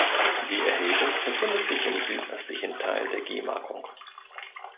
Die Erhebung befindet sich im südöstlichen Teil der Gemarkung.